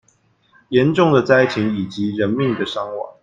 嚴重的災情以及人命的傷亡